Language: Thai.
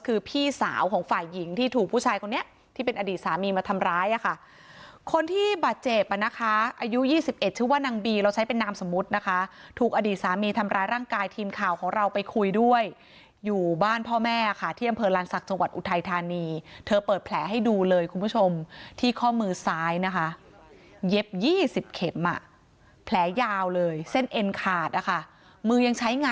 คือพี่สาวของฝ่ายหญิงที่ถูกผู้ชายคนนี้ที่เป็นอดีตสามีมาทำร้ายอ่ะค่ะคนที่บาดเจ็บอ่ะนะคะอายุ๒๑ชื่อว่านางบีเราใช้เป็นนามสมมุตินะคะถูกอดีตสามีทำร้ายร่างกายทีมข่าวของเราไปคุยด้วยอยู่บ้านพ่อแม่ค่ะที่อำเภอลานศักดิ์จังหวัดอุทัยธานีเธอเปิดแผลให้ดูเลยคุณผู้ชมที่ข้อมือซ้ายนะคะเย็บ๒๐เข็มอ่ะแผลยาวเลยเส้นเอ็นขาดนะคะมือยังใช้ง